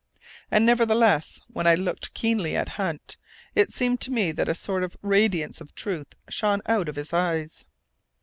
And nevertheless, when I looked keenly at Hunt, it seemed to me that a sort of radiance of truth shone out of his eyes.